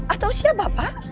atau siapa pak